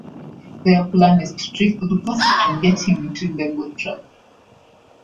Their plan is to trick Lycus and get him into legal trouble.